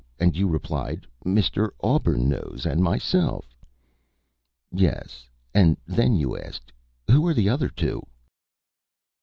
And you replied, 'Mr. Auburnose and myself.'" "Yes. And then you asked, 'Who are the other two?'"